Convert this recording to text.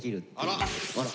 あら！